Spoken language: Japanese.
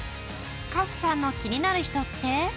花譜さんの気になる人って？